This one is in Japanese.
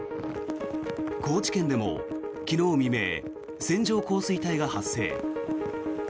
高知県でも昨日未明線状降水帯が発生。